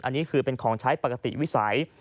อันนี้คือเป็นของใช้ปกติวิสัย